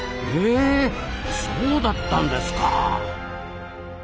へえそうだったんですか。